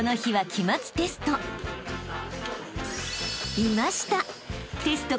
［いました！］